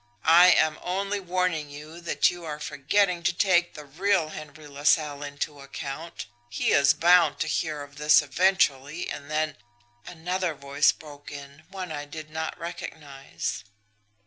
'I am only warning you that you are forgetting to take the real Henry LaSalle into account. He is bound to hear of this eventually, and then ' "Another voice broke in one I did not recognise.